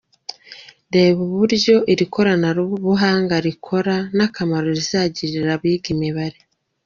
Reba uburyo iri koranabuhanga rikora n’akamaro rizagirira abiga imibare.